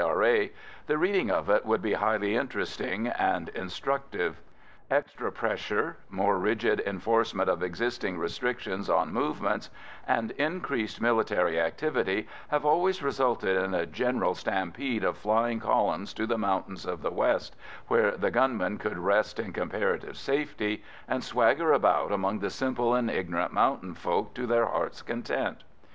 R.A., the reading of it would be highly interesting and instructive. Extra pressure, more rigid enforcement of existing restrictions on movement, and increased military activity have always resulted in a general stampede of flying columns to the mountains of the west, where the gunmen could rest in comparative safety, and swagger about among the simple and ignorant mountain folk to their hearts' content.